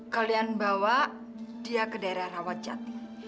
kalian bawa dia ke daerah rawat jati